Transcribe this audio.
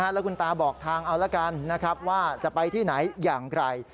แล้วคุณตาบอกทางเอาละกันนะครับว่าจะไปที่ไหนอย่างไร